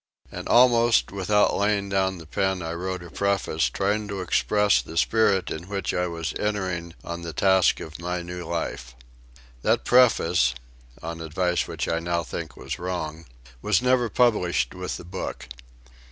And almost without laying down the pen I wrote a preface, trying to express the spirit in which I was entering on the task of my new life. That preface on advice (which I now think was wrong) was never published with the book.